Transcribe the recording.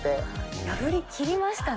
破りきりましたね。